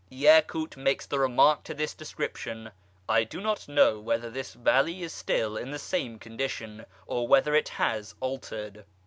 Yacut makes the remark to this description: I do not know whether this valley is still in the same condition, or whether it has altered.